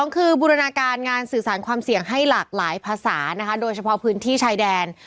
คือบูรณาการงานสื่อสารความเสี่ยงให้หลากหลายภาษานะคะโดยเฉพาะพื้นที่ชายแดน